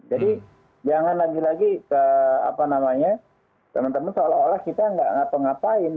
jadi jangan lagi lagi teman teman seolah olah kita tidak apa apa ngapain